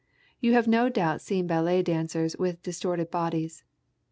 You have no doubt seen ballet dancers with distorted bodies.